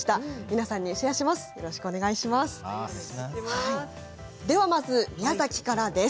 皆さんにシェアします